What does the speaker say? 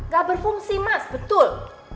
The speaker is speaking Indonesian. gak berfungsi mas betul